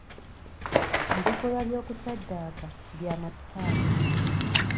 Ebikolwa by'okusadaaka bya masitaani.